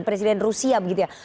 presiden rusia begitu ya